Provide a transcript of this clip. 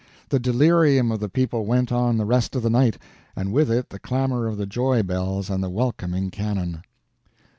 The delirium of the people went on the rest of the night, and with it the clamor of the joy bells and the welcoming cannon.